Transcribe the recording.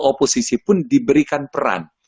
oposisi pun diberikan peran